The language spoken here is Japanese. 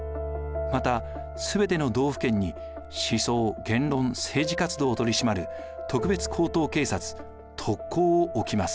またすべての道府県に思想・言論・政治活動を取り締まる特別高等警察「特高」を置きます。